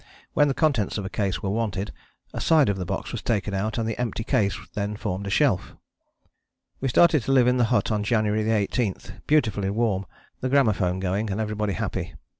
When the contents of a case were wanted, a side of the box was taken out, and the empty case then formed a shelf. We started to live in the hut on January 18, beautifully warm, the gramophone going, and everybody happy.